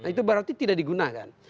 itu berarti tidak digunakan